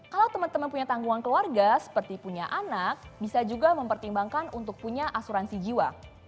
kalau teman teman punya tanggungan keluarga seperti punya anak bisa juga mempertimbangkan untuk punya asuransi jiwa